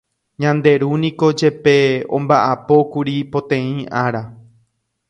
Ñande Ru niko jepe omba'apókuri poteĩ ára.